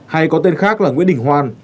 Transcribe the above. hay có tên khác là nguyễn đình hoan